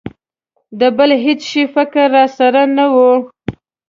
د بل هېڅ شي فکر را سره نه و.